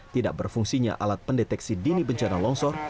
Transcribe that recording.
tidak berfungsinya alat pendeteksi dini bencana longsor